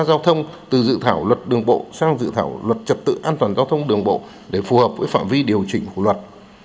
dự thảo luật đường bộ sang dự thảo luật trật tự an toàn giao thông đường bộ để phù hợp với phạm vi điều chỉnh của luật